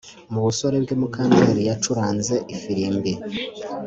Mu busore bwe Mukandoli yacuranze ifirimbi